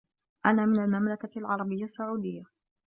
أنا من المملكة العربية السعودية.